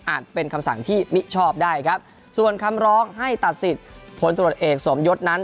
เป็นคำสั่งที่มิชอบได้ครับส่วนคำร้องให้ตัดสิทธิ์ผลตรวจเอกสมยศนั้น